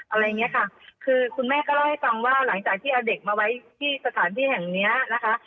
อะไรอย่างเงี้ยค่ะคือคุณแม่ก็เล่าให้ฟังว่าหลังจากที่เอาเด็กมาไว้ที่สถานที่แห่งเนี้ยนะคะ